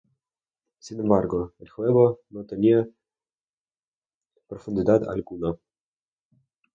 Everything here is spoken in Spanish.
Sin embargo, el juego no tenía profundidad alguna.